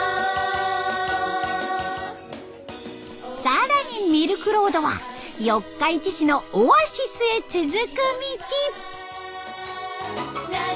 更にミルクロードは四日市市のオアシスへ続く道。